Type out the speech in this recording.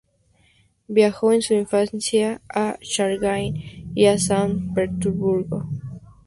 Viajó en su infancia a Shanghái y a San Petersburgo.